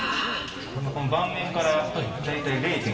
今この盤面から大体０．５ミリ。